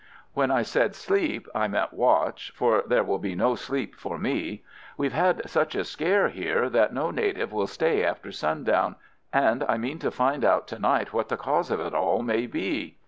"When I said sleep I meant watch, for there will be no sleep for me. We've had such a scare here that no native will stay after sundown, and I mean to find out to night what the cause of it all may be.